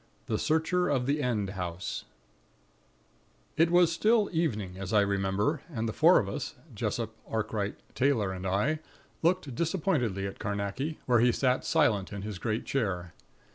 5 THE SEARCHER OF THE END HOUSE It was still evening, as I remember, and the four of us, Jessop, Arkright, Taylor and I, looked disappointedly at Carnacki, where he sat silent in his great chair.